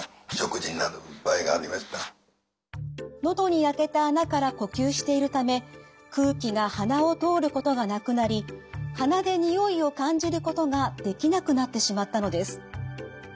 喉に開けた孔から呼吸しているため空気が鼻を通ることがなくなり鼻で匂いを感じることができなくなってしまったのです。